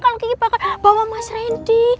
kalau kiki bakal bawa mas randy